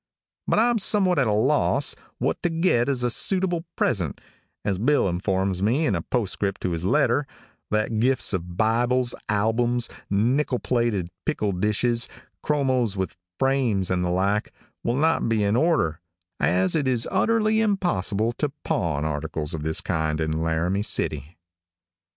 But I'm somewhat at a loss what to get as a suitable present, as Bill informs me in a postscript to his letter, that gifts of bibles, albums, nickel plated pickle dishes, chromos with frames, and the like, will not be in order, as it is utterly impossible to pawn articles of this kind in Laramie City.